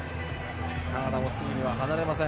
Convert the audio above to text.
カナダもすぐには離れません。